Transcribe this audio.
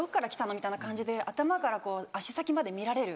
みたいな感じで頭から足先まで見られる。